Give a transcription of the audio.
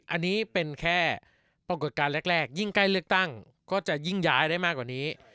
อันนี้เป็นแค่ปรากฏการณ์แรกยิ่งใกล้เลือกตั้งก็จะยิ่งย้ายได้มากกว่านี้